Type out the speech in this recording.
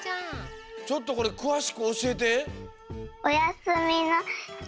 ちょっとこれくわしくおしえて。